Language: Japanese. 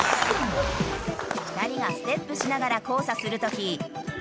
２人がステップしながら交差する時。